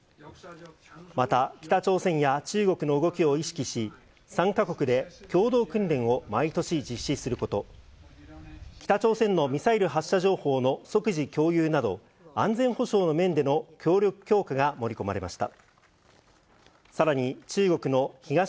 また北朝鮮や中国の動きを意識し、３か国で共同訓練を毎年実施すること、北朝鮮のミサイル発射情報の即時共有など、安全保障の面での協力強化が盛り込まれました。